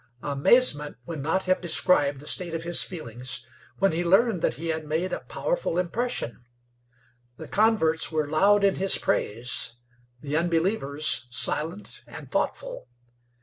Amazement would not have described the state of his feelings when he learned that he had made a powerful impression. The converts were loud in his praise; the unbelievers silent and thoughtful.